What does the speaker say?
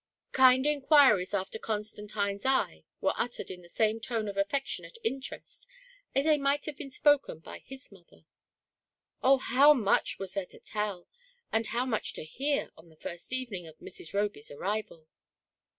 Kind inquiries after Con stantine's eye were uttered in the same tone of aifec 10 146 THE PRISONER IN DARKNESS. tionate interest as they might have been spoken by his mother. Oh, how much was there to tell, and how much to hear on the first evening of Mrs. Roby's arrival